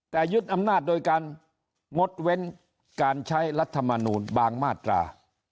แต่ยึดอำนาจโดยการงดเว้นการใช้รัฐมนูลบางมาตรา